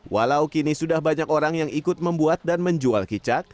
walau kini sudah banyak orang yang ikut membuat dan menjual kicak